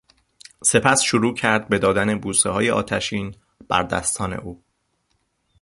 سپس شروع کرد به دادن بوسه های آتشین بر دستان او